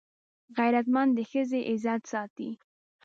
غیرتمند د ښځې عزت ساتي